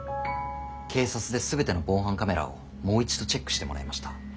警察で全ての防犯カメラをもう一度チェックしてもらいました。